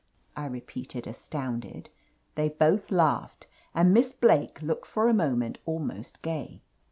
I repeated, astounded. They both laughed, and Miss Blake looked for a moment almost gay.